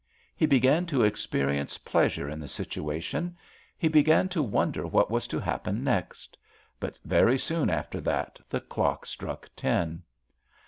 He began to experience pleasure in the situation; he began to wonder what was to happen next. But very soon after that the clock struck ten.